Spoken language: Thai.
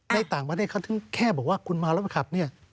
ในต่างประเทศเขาถึงแค่บอกว่าคุณเมาแล้วมาขับเนี่ย